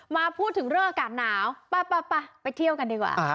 มาพูดถึงเรื่องอากาศหนาวไปเที่ยวกันดีกว่า